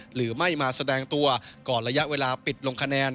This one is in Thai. หรือไม่มาแสดงตัวก่อนระยะเวลาปิดลงคะแนน